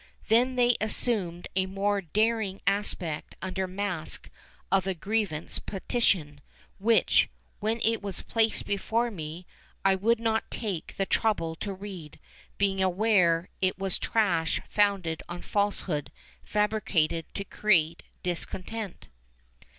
Then they assumed a more daring aspect under mask of a grievance petition, which, when it was placed before me, I would not take the trouble to read, being aware it was trash founded on falsehood, fabricated to create discontent.